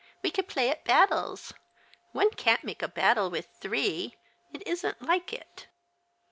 We could play at Ijattles — one can't make a battle with three. It isn't like it."